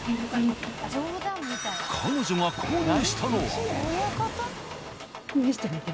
彼女が購入したのは。